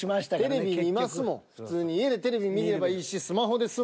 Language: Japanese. テレビ見ますもん普通に。家でテレビ見ればいいしスマホで済むし。